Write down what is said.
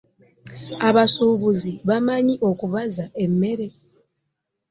Abasuubuzi bamanyi okubaza embeera.